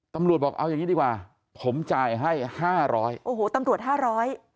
ตำรวจบอกเอาอย่างงี้ดีกว่าผมจ่ายให้ห้าร้อยโอ้โหตำรวจห้าร้อย